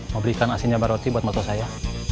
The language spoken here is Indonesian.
mau belikan asin nyambar roti buat mertua saya